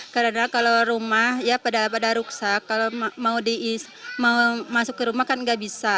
karena kalau rumah ya pada ruksak kalau mau masuk ke rumah kan enggak bisa